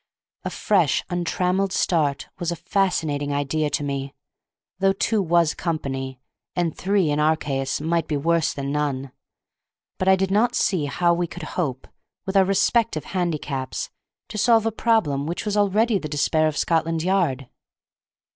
A fresh, untrammelled start was a fascinating idea to me, though two was company, and three in our case might be worse than none. But I did not see how we could hope, with our respective handicaps, to solve a problem which was already the despair of Scotland Yard.